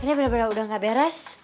ini benar benar sudah tidak beres